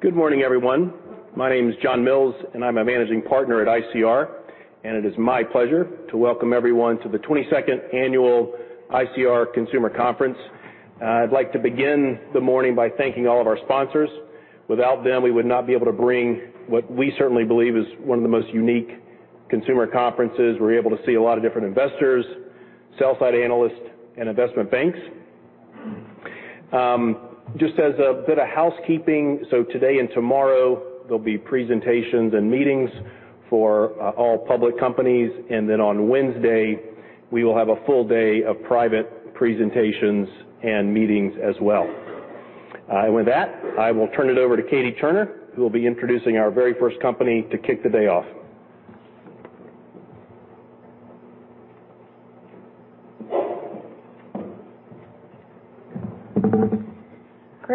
Good morning, everyone. My name is John Mills, and I'm a managing partner at ICR, and it is my pleasure to welcome everyone to the 22nd Annual ICR Consumer Conference. I'd like to begin the morning by thanking all of our sponsors. Without them, we would not be able to bring what we certainly believe is one of the most unique consumer conferences. We're able to see a lot of different investors, sell-side analysts, and investment banks. Just as a bit of housekeeping, today and tomorrow, there'll be presentations and meetings for all public companies, and then on Wednesday, we will have a full day of private presentations and meetings as well. With that, I will turn it over to Katie Turner, who will be introducing our very first company to kick the day off.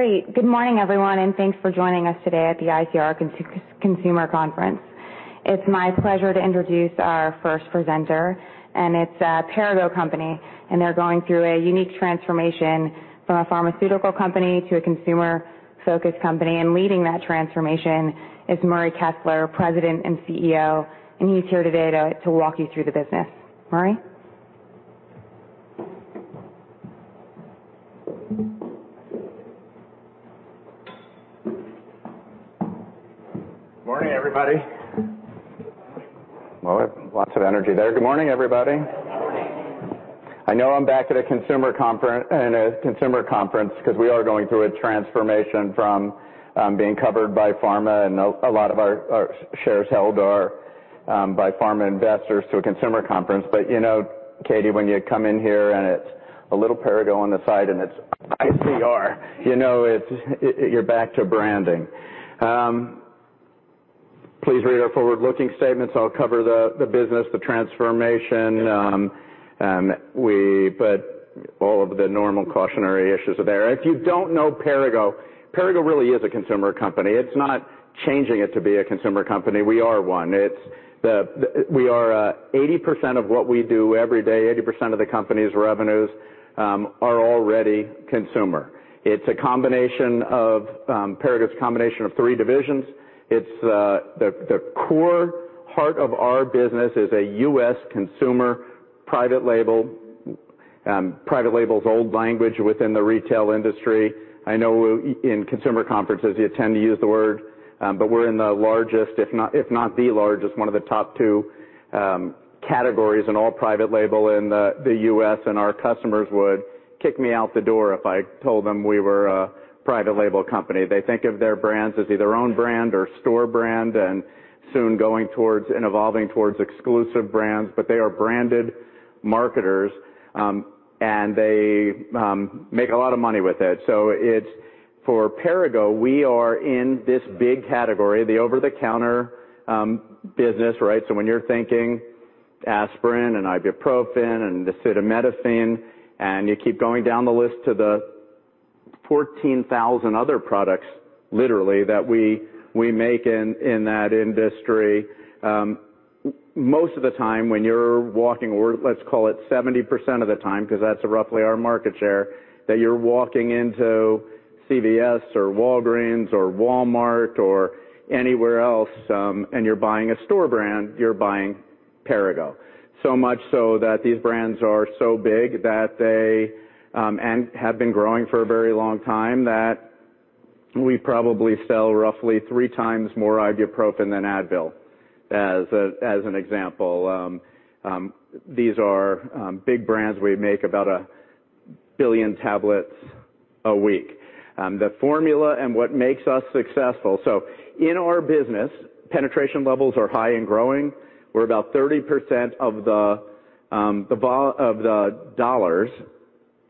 Great. Good morning, everyone, and thanks for joining us today at the ICR Consumer Conference. It's my pleasure to introduce our first presenter, and it's Perrigo Company, and they're going through a unique transformation from a pharmaceutical company to a consumer-focused company. Leading that transformation is Murray Kessler, President and CEO, and he's here today to walk you through the business. Murray? Morning, everybody. Well, lots of energy there. Good morning, everybody. Good morning. I know I'm back at a consumer conference because we are going through a transformation from being covered by pharma, and a lot of our shares held are by pharma investors, to a consumer conference. Katie, when you come in here and it's a little Perrigo on the side and it's ICR, you know you're back to branding. Please read our forward-looking statements. I'll cover the business, the transformation. All of the normal cautionary issues are there. If you don't know Perrigo really is a consumer company. It's not changing it to be a consumer company. We are one. 80% of what we do every day, 80% of the company's revenues, are already consumer. Perrigo's a combination of three divisions. The core heart of our business is a U.S. consumer private label. Private label is old language within the retail industry. I know in consumer conferences, you tend to use the word, but we're in the largest, if not the largest, one of the top two categories in all private label in the U.S. Our customers would kick me out the door if I told them we were a private label company. They think of their brands as either own brand or store brand, soon going towards and evolving towards exclusive brands. They are branded marketers, and they make a lot of money with it. For Perrigo, we are in this big category, the over-the-counter business. When you're thinking aspirin and ibuprofen and acetaminophen, you keep going down the list to the 14,000 other products, literally, that we make in that industry. Most of the time when you're walking, or let's call it 70% of the time, because that's roughly our market share, that you're walking into CVS or Walgreens or Walmart or anywhere else, and you're buying a store brand, you're buying Perrigo. Much so that these brands are so big, and have been growing for a very long time, that we probably sell roughly three times more ibuprofen than Advil, as an example. These are big brands. We make about a billion tablets a week. The formula and what makes us successful. In our business, penetration levels are high and growing. We're about 30% of the dollars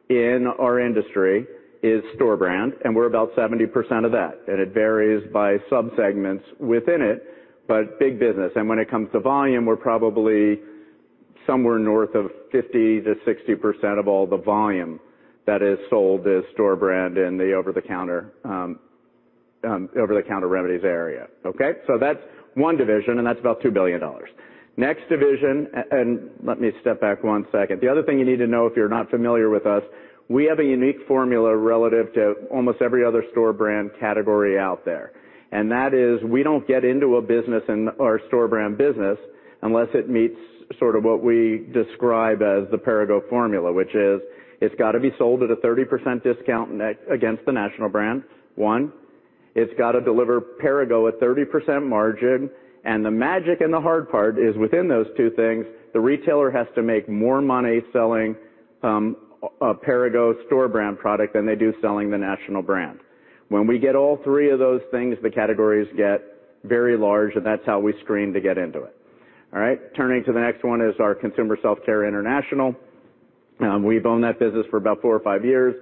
in our industry is store brand, and we're about 70% of that. It varies by subsegments within it, but big business. When it comes to volume, we're probably somewhere north of 50%-60% of all the volume that is sold as store brand in the over-the-counter remedies area. That's one division, and that's about $2 billion. Next division. Let me step back one second. The other thing you need to know if you're not familiar with us, we have a unique formula relative to almost every other store brand category out there, and that is we don't get into a business in our store brand business unless it meets sort of what we describe as the Perrigo formula, which is it's got to be sold at a 30% discount against the national brand, one. It's got to deliver Perrigo a 30% margin. The magic and the hard part is within those two things, the retailer has to make more money selling a Perrigo store brand product than they do selling the national brand. When we get all three of those things, the categories get very large. That's how we screen to get into it. All right. Turning to the next one is our Consumer Self-Care International. We've owned that business for about four or five years.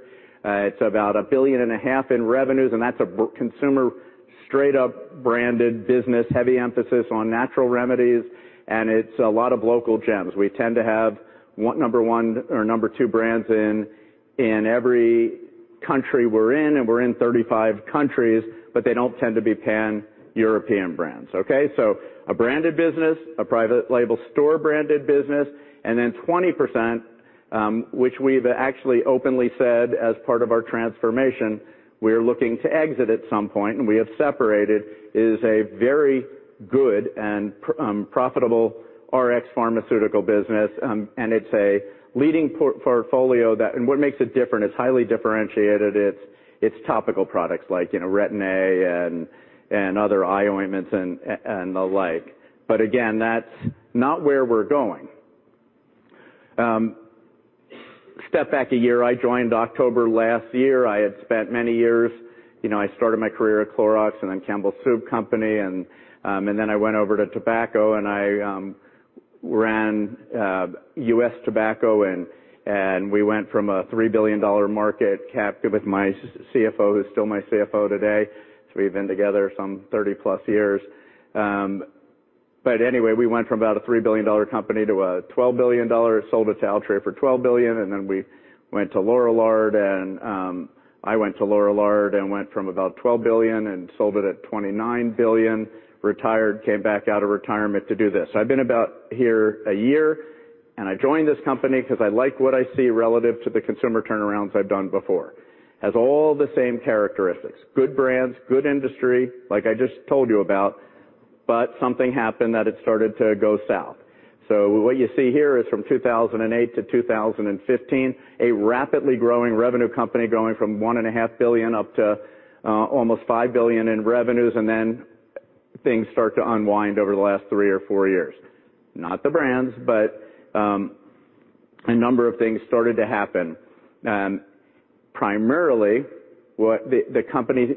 It's about a billion and a half in revenues. That's a consumer straight-up branded business, heavy emphasis on natural remedies. It's a lot of local gems. We tend to have number one or number two brands in every country we're in. We're in 35 countries, they don't tend to be Pan-European brands, okay. A branded business, a private label store branded business, 20% which we've actually openly said as part of our transformation, we're looking to exit at some point, and we have separated, is a very good and profitable RX pharmaceutical business. It's a leading portfolio. What makes it different, it's highly differentiated, it's topical products like Retin-A and other eye ointments and the like. Again, that's not where we're going. Step back a year, I joined October last year. I had spent many years. I started my career at Clorox and then Campbell Soup Company. I went over to tobacco and I ran U.S. Tobacco. We went from a $3 billion market cap with my CFO, who's still my CFO today. We've been together some 30-plus years. We went from about a $3 billion company to a $12 billion. Sold it to Altria for $12 billion. We went to Lorillard. I went to Lorillard and went from about $12 billion and sold it at $29 billion, retired, came back out of retirement to do this. I've been about here one year, and I joined this company because I like what I see relative to the consumer turnarounds I've done before. Has all the same characteristics: good brands, good industry, like I just told you about. Something happened that it started to go south. What you see here is from 2008 to 2015, a rapidly growing revenue company going from $1.5 billion up to almost $5 billion in revenues, and then things start to unwind over the last three or four years. Not the brands, but a number of things started to happen. Primarily, the company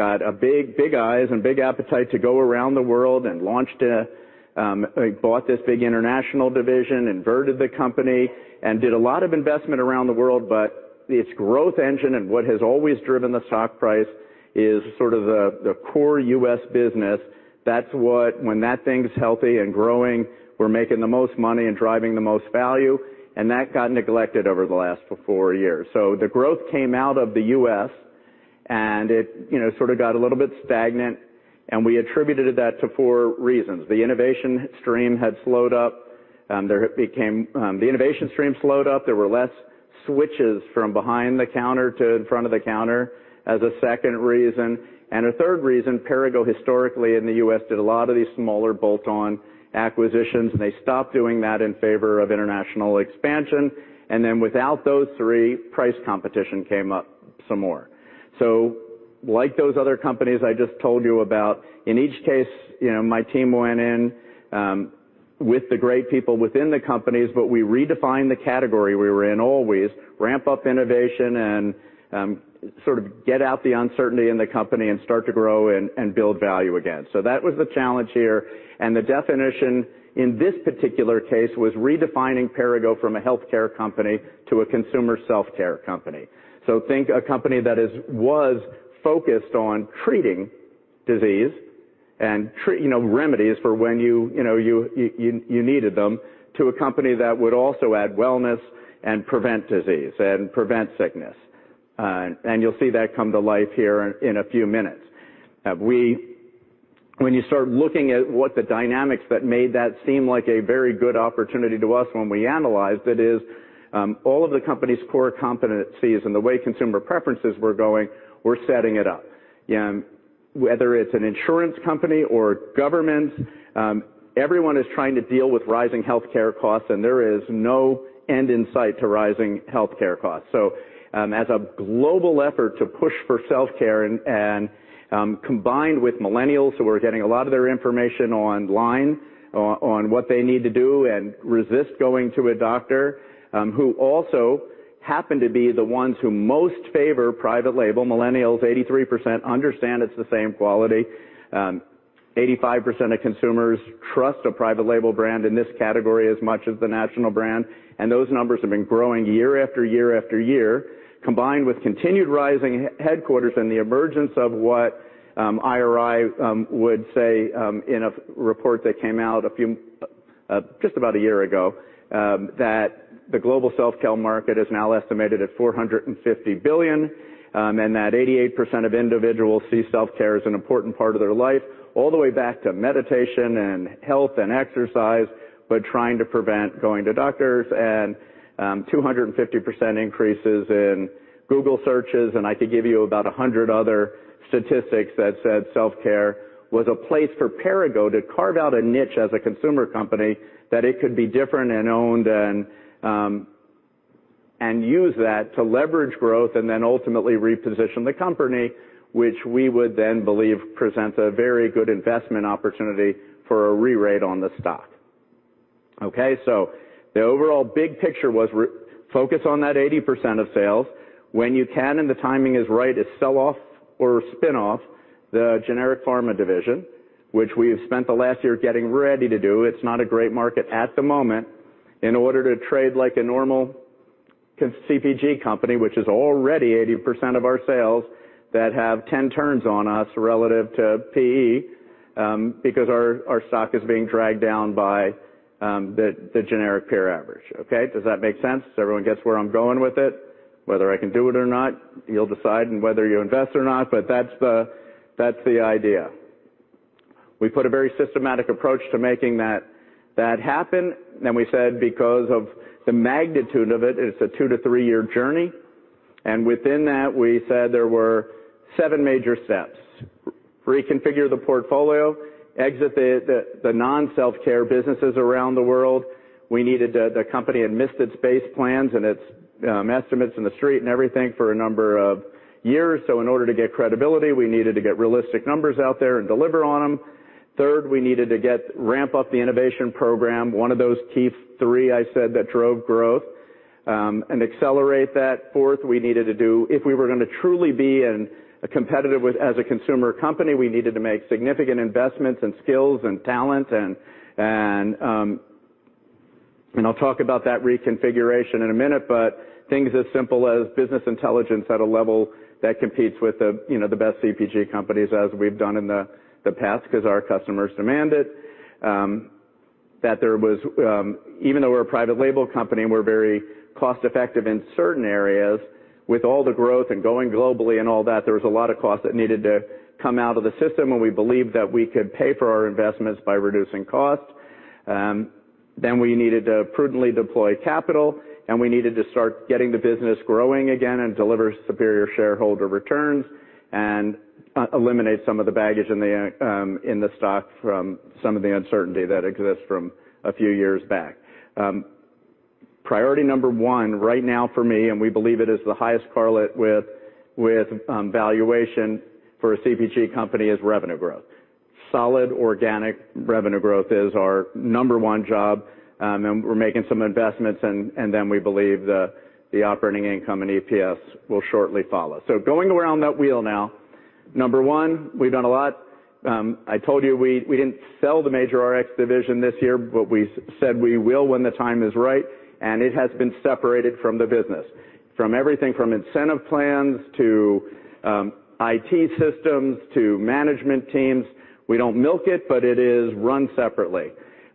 got big eyes and big appetite to go around the world and bought this big international division, inverted the company, and did a lot of investment around the world, but its growth engine and what has always driven the stock price is sort of the core U.S. business. When that thing's healthy and growing, we're making the most money and driving the most value, and that got neglected over the last four years. The growth came out of the U.S., and it sort of got a little bit stagnant, and we attributed that to four reasons. The innovation stream had slowed up. The innovation stream slowed up. There were less switches from behind the counter to in front of the counter as a second reason. A third reason, Perrigo historically in the U.S. did a lot of these smaller bolt-on acquisitions, and they stopped doing that in favor of international expansion. Without those three, price competition came up some more. Like those other companies I just told you about, in each case, my team went in with the great people within the companies, but we redefined the category we were in always, ramp up innovation, and sort of get out the uncertainty in the company and start to grow and build value again. That was the challenge here, and the definition, in this particular case, was redefining Perrigo from a healthcare company to a consumer self-care company. Think a company that was focused on treating disease and remedies for when you needed them to a company that would also add wellness and prevent disease and prevent sickness. You'll see that come to life here in a few minutes. When you start looking at what the dynamics that made that seem like a very good opportunity to us when we analyzed it is all of the company's core competencies and the way consumer preferences were going, we're setting it up. Whether it's an insurance company or government, everyone is trying to deal with rising healthcare costs, and there is no end in sight to rising healthcare costs. As a global effort to push for self-care and combined with millennials who are getting a lot of their information online on what they need to do and resist going to a doctor, who also happen to be the ones who most favor private label. Millennials, 83% understand it's the same quality. 85% of consumers trust a private label brand in this category as much as the national brand. Those numbers have been growing year after year after year, combined with continued rising headquarters and the emergence of what IRI would say in a report that came out just about a year ago, that the global self-care market is now estimated at $450 billion and that 88% of individuals see self-care as an important part of their life, all the way back to meditation and health and exercise, but trying to prevent going to doctors and 250% increases in Google searches. I could give you about 100 other statistics that said self-care was a place for Perrigo to carve out a niche as a consumer company, that it could be different and owned and use that to leverage growth and ultimately reposition the company, which we would then believe presents a very good investment opportunity for a re-rate on the stock. Okay, the overall big picture was focus on that 80% of sales. When you can and the timing is right, is sell off or spin off the generic pharma division, which we have spent the last year getting ready to do. It's not a great market at the moment in order to trade like a normal CPG company, which is already 80% of our sales that have 10 turns on us relative to PE, because our stock is being dragged down by the generic peer average. Okay? Does that make sense? Does everyone gets where I'm going with it? Whether I can do it or not, you'll decide, and whether you invest or not, that's the idea. We put a very systematic approach to making that happen. We said because of the magnitude of it's a two-to-three-year journey. Within that, we said there were seven major steps. Reconfigure the portfolio, exit the non-self-care businesses around the world. The company had missed its base plans and its estimates in the street and everything for a number of years. In order to get credibility, we needed to get realistic numbers out there and deliver on them. Third, we needed to ramp up the innovation program, one of those key three I said that drove growth, and accelerate that. Fourth, if we were going to truly be competitive as a consumer company, we needed to make significant investments in skills and talent, and I'll talk about that reconfiguration in a minute, but things as simple as business intelligence at a level that competes with the best CPG companies as we've done in the past because our customers demand it. Even though we're a private label company and we're very cost-effective in certain areas, with all the growth and going globally and all that, there was a lot of cost that needed to come out of the system, and we believed that we could pay for our investments by reducing costs. We needed to prudently deploy capital, and we needed to start getting the business growing again and deliver superior shareholder returns and eliminate some of the baggage in the stock from some of the uncertainty that exists from a few years back. Priority number 1 right now for me, and we believe it is the highest correlate with valuation for a CPG company, is revenue growth. Solid organic revenue growth is our number 1 job. We're making some investments, and we believe the operating income and EPS will shortly follow. Going around that wheel now, number one, we've done a lot. I told you we didn't sell the major Rx division this year, but we said we will when the time is right, and it has been separated from the business. From everything from incentive plans to IT systems to management teams. We don't milk it, but it is run separately.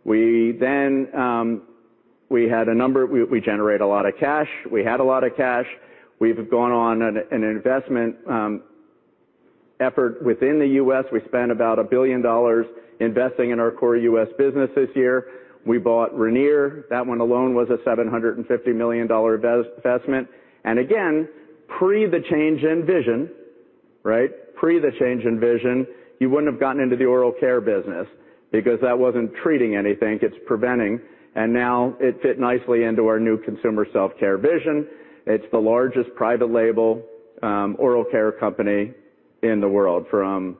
We generate a lot of cash. We had a lot of cash. We've gone on an investment effort within the U.S. We spent about $1 billion investing in our core U.S. business this year. We bought Ranir. That one alone was a $750 million investment. Again, pre the change in vision, right? Pre the change in vision, you wouldn't have gotten into the oral care business because that wasn't treating anything, it's preventing. Now it fit nicely into our new consumer self-care vision. It's the largest private label oral care company in the world from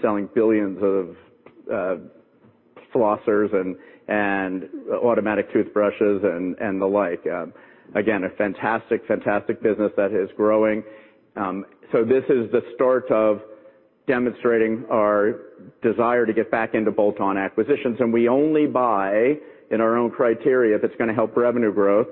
selling billions of flossers and automatic toothbrushes and the like. Again, a fantastic business that is growing. This is the start of demonstrating our desire to get back into bolt-on acquisitions. We only buy in our own criteria that's going to help revenue growth.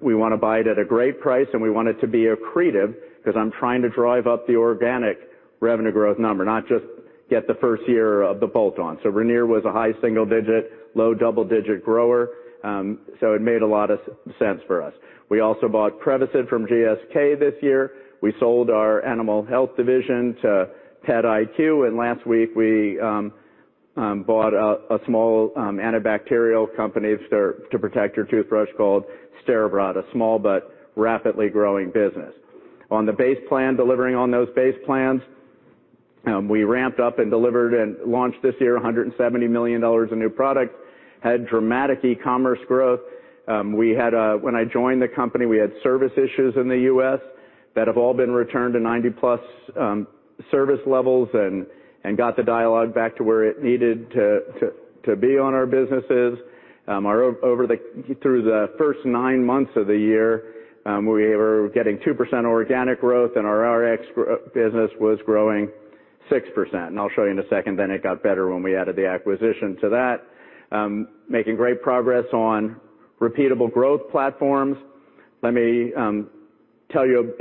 We want to buy it at a great price, and we want it to be accretive because I'm trying to drive up the organic revenue growth number, not just get the first year of the bolt-on. Ranir was a high single digit, low double digit grower. It made a lot of sense for us. We also bought Prevacid from GSK this year. We sold our animal health division to PetIQ, and last week we bought a small antibacterial company to protect your toothbrush called Steripod, a small but rapidly growing business. On the base plan, delivering on those base plans, we ramped up and delivered and launched this year $170 million of new product, had dramatic e-commerce growth. When I joined the company, we had service issues in the U.S. that have all been returned to 90-plus service levels and got the dialogue back to where it needed to be on our businesses. Through the first nine months of the year, we were getting 2% organic growth, and our Rx business was growing 6%. I'll show you in a second. It got better when we added the acquisition to that. Making great progress on repeatable growth platforms. Let me tell you,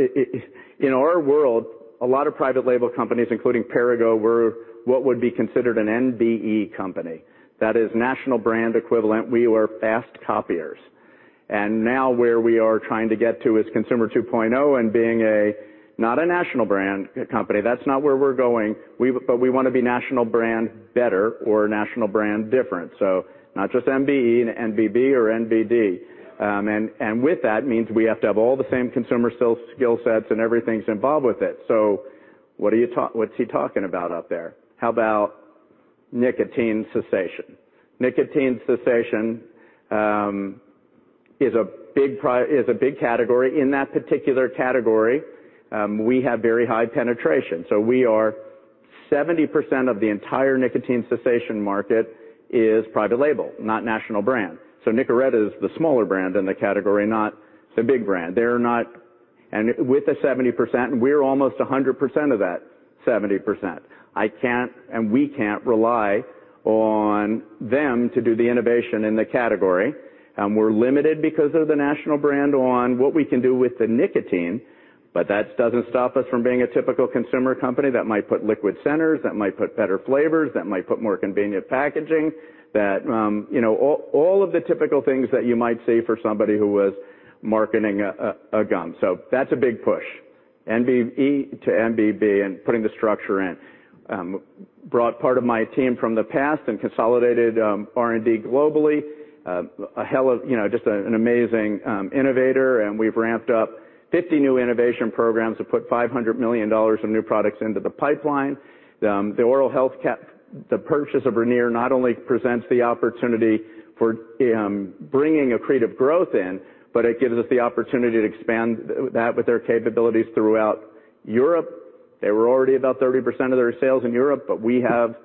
in our world, a lot of private label companies, including Perrigo, were what would be considered an NBE company. That is National Brand Equivalent. We were fast copiers. Now where we are trying to get to is consumer 2.0 and being not a national brand company. That's not where we're going. We want to be national brand better or national brand different. Not just NBE, an NBB or NBD. With that means we have to have all the same consumer skill sets and everything's involved with it. What's he talking about up there? How about nicotine cessation? Nicotine cessation is a big category. In that particular category, we have very high penetration. We are 70% of the entire nicotine cessation market is private label, not national brand. Nicorette is the smaller brand in the category, not the big brand. With the 70%, we're almost 100% of that 70%. We can't rely on them to do the innovation in the category. We're limited because of the national brand on what we can do with the nicotine, but that doesn't stop us from being a typical consumer company that might put liquid centers, that might put better flavors, that might put more convenient packaging. All of the typical things that you might see for somebody who was marketing a gum. That's a big push. NBE to NBB and putting the structure in. Brought part of my team from the past and consolidated R&D globally. Just an amazing innovator, and we've ramped up 50 new innovation programs to put $500 million of new products into the pipeline. The oral health, the purchase of Ranir not only presents the opportunity for bringing accretive growth in, but it gives us the opportunity to expand that with their capabilities throughout Europe. They were already about 30% of their sales in Europe, we have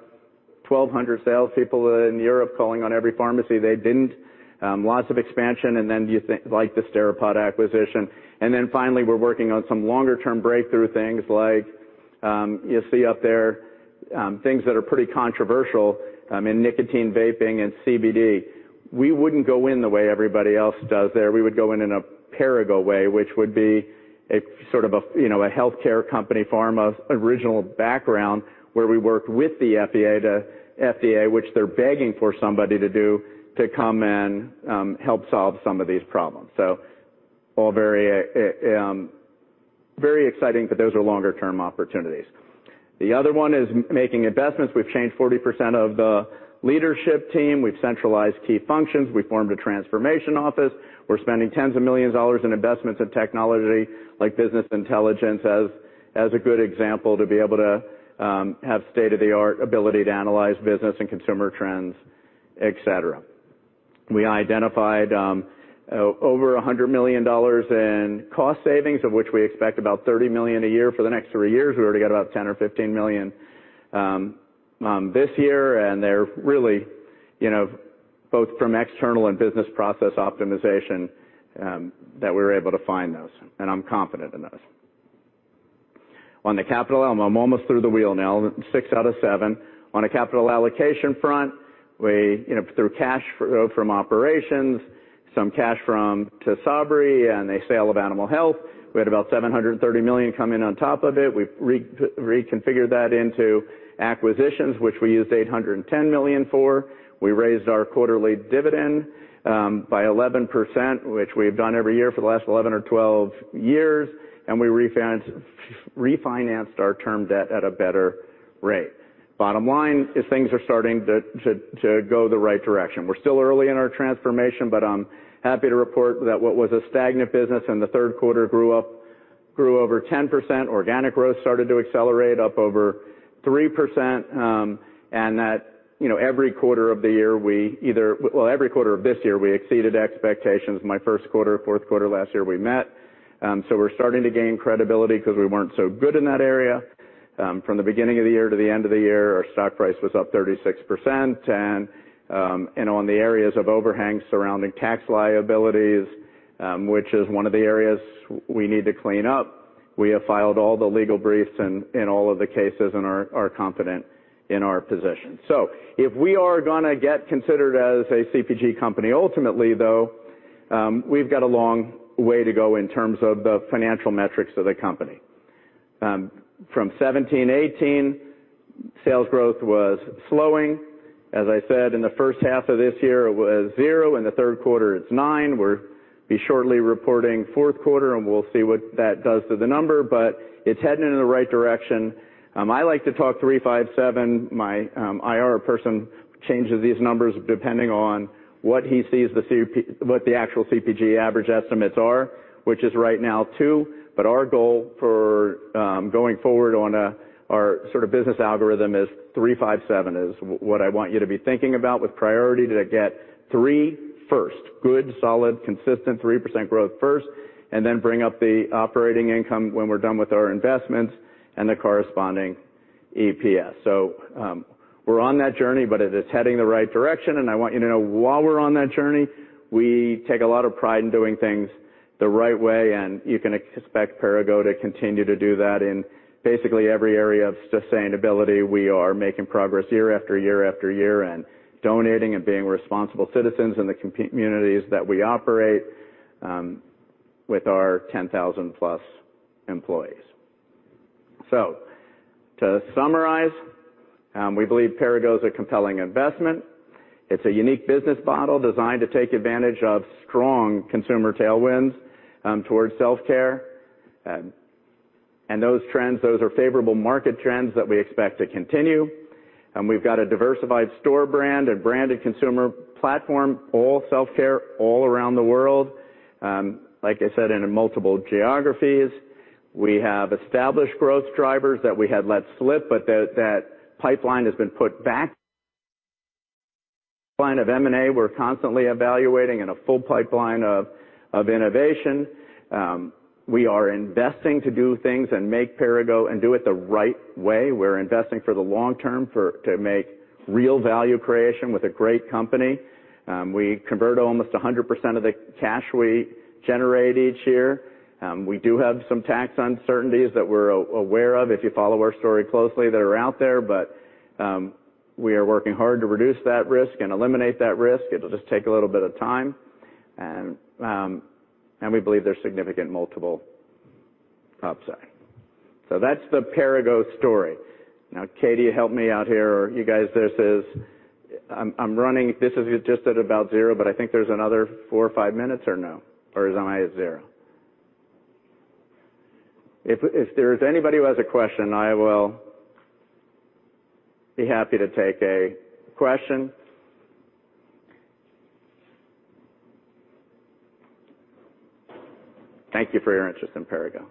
1,200 salespeople in Europe calling on every pharmacy. They didn't. Lots of expansion, like the Steripod acquisition. Finally, we're working on some longer-term breakthrough things like, you see up there, things that are pretty controversial in nicotine vaping and CBD. We wouldn't go in the way everybody else does there. We would go in in a Perrigo way, which would be a sort of a healthcare company, pharma original background, where we work with the FDA, which they're begging for somebody to do, to come and help solve some of these problems. All very exciting, but those are longer-term opportunities. The other one is making investments. We've changed 40% of the leadership team. We've centralized key functions. We formed a transformation office. We're spending tens of millions of dollars in investments in technology like business intelligence as a good example to be able to have state-of-the-art ability to analyze business and consumer trends, et cetera. We identified over $100 million in cost savings of which we expect about $30 million a year for the next three years. We already got about $10 million or $15 million this year. They're really both from external and business process optimization that we were able to find those, and I'm confident in those. I'm almost through the wheel now, six out of seven. On a capital allocation front, through cash from operations, some cash from Tysabri and a sale of Animal Health, we had about $730 million come in on top of it. We reconfigured that into acquisitions, which we used $810 million for. We raised our quarterly dividend by 11%, which we've done every year for the last 11 or 12 years. We refinanced our term debt at a better rate. Bottom line is things are starting to go the right direction. We're still early in our transformation, but I'm happy to report that what was a stagnant business in the third quarter grew over 10%. Organic growth started to accelerate up over 3%, and that every quarter of the year, Well, every quarter of this year, we exceeded expectations. My first quarter, fourth quarter last year, we met. We're starting to gain credibility because we weren't so good in that area. From the beginning of the year to the end of the year, our stock price was up 36%. On the areas of overhang surrounding tax liabilities, which is one of the areas we need to clean up, we have filed all the legal briefs in all of the cases and are confident in our position. If we are going to get considered as a CPG company ultimately, though, we've got a long way to go in terms of the financial metrics of the company. From 2017 to 2018, sales growth was slowing. As I said, in the first half of this year, it was 0%. In the third quarter, it's 9%. We'll be shortly reporting fourth quarter, and we'll see what that does to the number, but it's heading in the right direction. I like to talk 3, 5, 7. My IR person changes these numbers depending on what he sees the actual CPG average estimates are, which is right now 2. Our goal for going forward on our business algorithm is 3, 5, 7 is what I want you to be thinking about with priority to get 3 first. Good, solid, consistent 3% growth first, and then bring up the operating income when we're done with our investments and the corresponding EPS. We're on that journey, but it is heading the right direction, and I want you to know while we're on that journey, we take a lot of pride in doing things the right way, and you can expect Perrigo to continue to do that in basically every area of sustainability. We are making progress year after year after year and donating and being responsible citizens in the communities that we operate with our 10,000-plus employees. To summarize, we believe Perrigo is a compelling investment. It's a unique business model designed to take advantage of strong consumer tailwinds towards self-care. Those trends, those are favorable market trends that we expect to continue. We've got a diversified store brand, a branded consumer platform, all self-care, all around the world. Like I said, in multiple geographies. We have established growth drivers that we had let slip, but that pipeline has been put back line of M&A we're constantly evaluating and a full pipeline of innovation. We are investing to do things and make Perrigo and do it the right way. We're investing for the long term to make real value creation with a great company. We convert almost 100% of the cash we generate each year. We do have some tax uncertainties that we're aware of, if you follow our story closely, that are out there. We are working hard to reduce that risk and eliminate that risk. It'll just take a little bit of time. We believe there's significant multiple upside. That's the Perrigo story. Now, Katie, help me out here, or you guys there says I'm running. This is just at about zero, but I think there's another four or five minutes or no? Or am I at zero? If there's anybody who has a question, I will be happy to take a question. Thank you for your interest in Perrigo.